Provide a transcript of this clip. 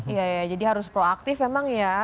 iya iya jadi harus proaktif emang ya